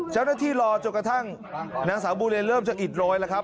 เจ้าหน้าที่รอจนกระทั่งนางสาวบัวเรียนเริ่มจะอิดโรยนะครับ